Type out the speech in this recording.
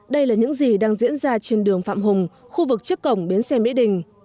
đây là những gì đang diễn ra trên đường phạm hùng khu vực trước cổng bến xe mỹ đình